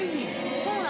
そうなの。